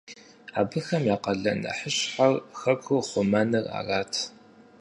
Абыхэм я къалэн нэхъыщхьэр хэкӀур хъумэныр арат.